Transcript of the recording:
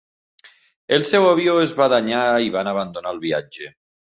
El seu avió es va danyar i van abandonar el viatge.